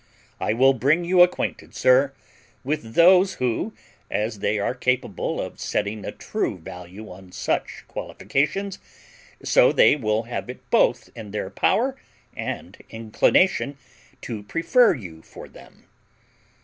"I will bring you acquainted, sir, with those who, as they are capable of setting a true value on such qualifications, so they will have it both in their power and inclination to prefer you for them.